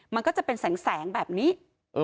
มันก็จะเป็นแสงแบบนี้